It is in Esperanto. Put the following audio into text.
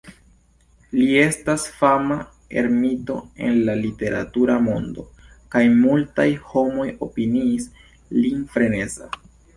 Li estas fama ermito en la literatura mondo, kaj multaj homoj opiniis lin freneza.